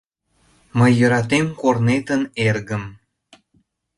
Мый йӧратем корнетын эргым